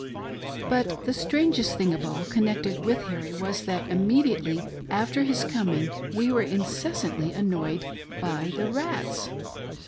But the strangest thing of all connected with Harry was that imme diately after his coming we were incessantly annoyed by the rats.